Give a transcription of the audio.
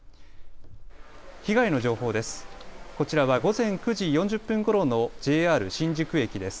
被害の情報です。